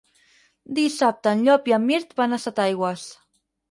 Dissabte en Llop i en Mirt van a Setaigües.